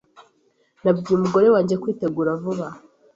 Nabwiye umugore wanjye kwitegura vuba.